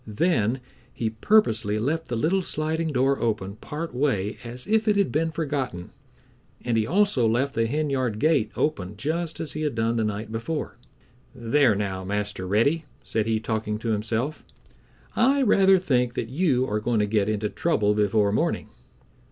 Then he purposely left the little sliding door open part way as if it had been forgotten, and he also left the henyard gate open just as he had done the night before. "There now, Master Reddy," said he, talking to himself, "I rather think that you are going to get into trouble before morning."